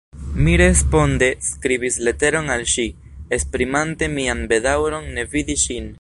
Mi responde skribis leteron al ŝi, esprimante mian bedaŭron ne vidi ŝin.